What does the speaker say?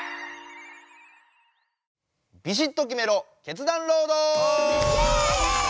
「ビシッと決めろ決断ロード！」。